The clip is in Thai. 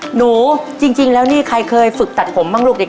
หนูจริงแล้วนี่ใครเคยฝึกตัดผมบ้างลูกเด็ก